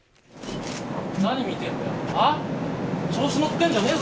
何見てんだよ。